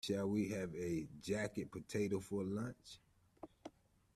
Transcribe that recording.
Shall we have a jacket potato for lunch?